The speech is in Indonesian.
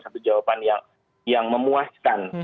satu jawaban yang memuaskan